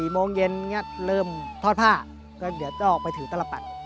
โมงเย็นเริ่มทอดผ้าก็เดี๋ยวจะออกไปถือตลปัด